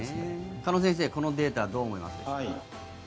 鹿野先生、このデータどう思いますか？